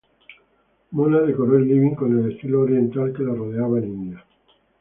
Mona decoró el living con el estilo oriental que la rodeaba en India.